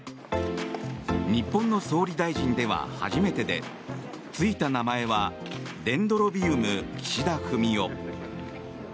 日本の総理大臣では初めてでついた名前はデンドロビウム・キシダフミオ。